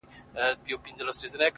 خوگراني زه نو دلته څه ووايم”